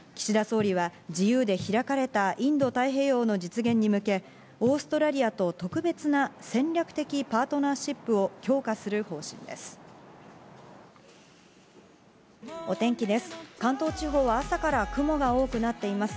岸田総理は自由で開かれたインド太平洋の実現に向け、オーストラリアと特別な戦略的パートナーシップを強化する方針です。